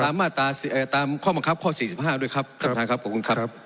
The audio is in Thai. ตามมาตาเอ่ยตามข้อบังคับข้อสี่สิบห้าด้วยครับครับท่านครับขอบคุณครับ